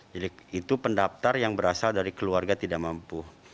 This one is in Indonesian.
jadi itu pendaptar yang berasal dari keluarga tidak mampu